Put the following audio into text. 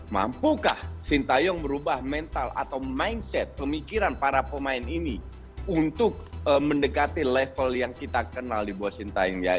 mampukah sintayong merubah mental atau mindset pemikiran para pemain ini untuk mendekati level yang kita kenal di bawah sintayong ya